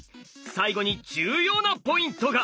最後に重要なポイントが！